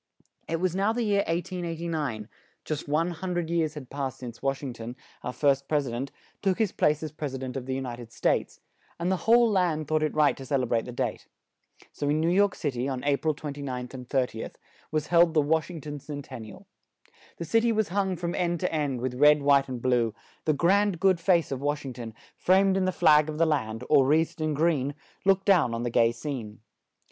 It was now the year 1889; just one hun dred years had passed since Wash ing ton, our first pres i dent, took his place as Pres i dent of the U nit ed States; and the whole land thought it right to cel e brate the date. So in New York Cit y, on A pril 29th and 30th, was held the "Wash ing ton Cen ten ni al." The cit y was hung from end to end, with red, white and blue; the grand, good face of Wash ing ton, framed in the flag of the land, or wreathed in green, looked down on the gay scene.